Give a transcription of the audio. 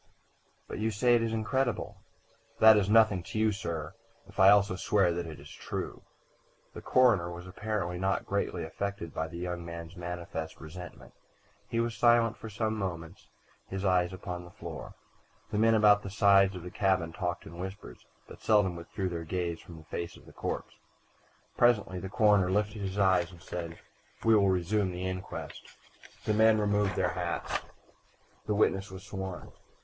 "But you say it is incredible." "That is nothing to you, sir, if I also swear that it is true." The coroner was apparently not greatly affected by the young man's manifest resentment. He was silent for some moments, his eyes upon the floor. The men about the sides of the cabin talked in whispers, but seldom withdrew their gaze from the face of the corpse. Presently the coroner lifted his eyes and said: "We will resume the inquest." The men removed their hats. The witness was sworn.